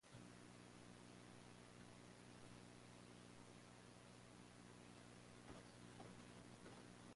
The Silesians won, forcing Mazovian units to retreat from Lesser Poland.